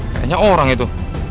kayaknya orang itu